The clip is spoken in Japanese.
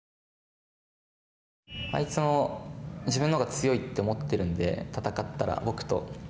あいつも自分のほうが強いって思ってるんで戦ったら、僕と。